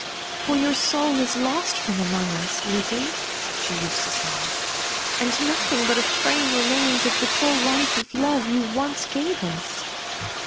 *' For your sou^ ' .out from among us, Lizzie," she used to say ; "and nothing but a frame remains of the full life of love you once gave us